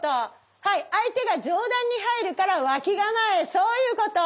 はい相手が上段に入るから脇構えそういうこと。